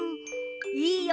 いいよ！